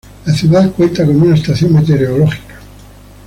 La ciudad cuenta con una estación meteorológica.